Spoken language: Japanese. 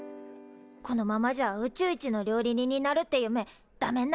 このままじゃあ宇宙一の料理人になるって夢ダメんなっちまう。